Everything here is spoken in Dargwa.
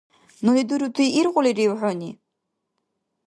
Нуни дурути иргъулирив хӀуни?